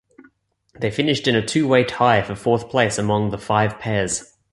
They finished in a two-way tie for fourth place among the five pairs.